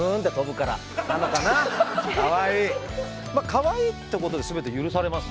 かわいいってことで全て許されます